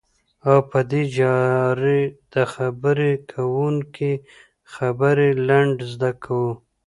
او په دې چارې د خبرې کوونکي خبرې لنډی ز کوو.